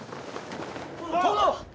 殿！